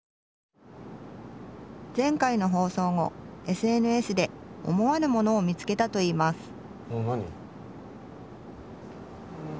前回の放送後ＳＮＳで思わぬものを見つけたといいます。